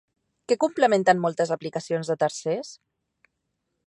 Què complementen moltes aplicacions de tercers?